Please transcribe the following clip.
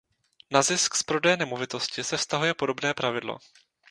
Na zisk z prodeje nemovitosti se vztahuje podobné pravidlo.